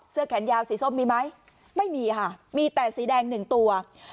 แขนยาวสีส้มมีไหมไม่มีค่ะมีแต่สีแดงหนึ่งตัว